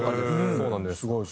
そうなんです。